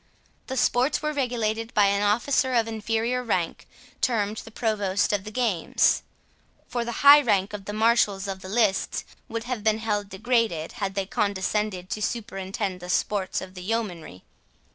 The sports were regulated by an officer of inferior rank, termed the Provost of the Games; for the high rank of the marshals of the lists would have been held degraded, had they condescended to superintend the sports of the yeomanry.